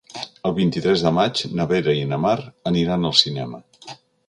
El vint-i-tres de maig na Vera i na Mar aniran al cinema.